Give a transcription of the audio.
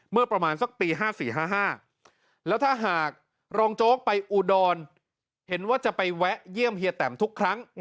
เมื่อประมาณสักปี๕๔๕๕แล้วถ้าหากรองโจ๊กไปอุดรเห็นว่าจะไปแวะเยี่ยมเฮียแตมทุกครั้ง